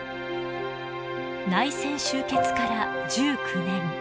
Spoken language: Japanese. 内戦終結から１９年。